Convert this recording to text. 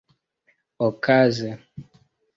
okaze